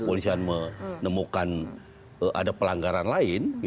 polisian menemukan ada pelanggaran lain